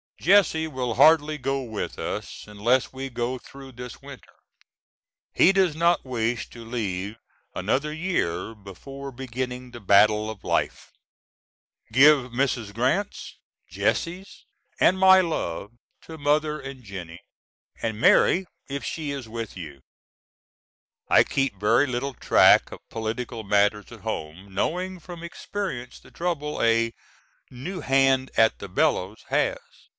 Jesse will hardly go with us unless we go through this winter. He does not wish to leave another year before beginning the battle of life. Give Mrs. Grant's, Jesse's and my love to Mother and Jennie, and Mary if she is with you. I keep very little track of political matters at home, knowing from experience the trouble a "new hand at the bellows" has.